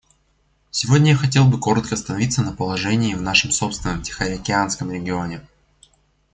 Сегодня я хотел бы коротко остановиться на положении в нашем собственном Тихоокеанском регионе.